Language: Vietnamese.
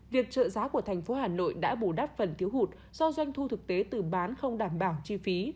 việc trợ giá của thành phố hà nội đã bù đắp phần thiếu hụt do doanh thu thực tế từ bán không đảm bảo chi phí